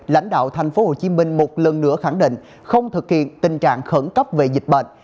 lãnh đạo tp hcm một lần nữa khẳng định không thực hiện tình trạng khẩn cấp về dịch bệnh